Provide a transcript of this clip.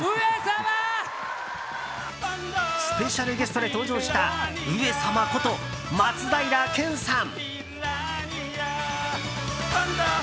スペシャルゲストで登場した上様こと、松平健さん。